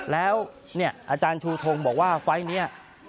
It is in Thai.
แล้วอาจารย์ชูทงบอกว่าไฟล์นี้